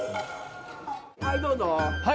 はいどうぞ。